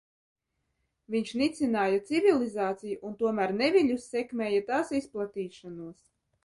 Viņš nicināja civilizāciju un tomēr neviļus sekmēja tās izplatīšanos.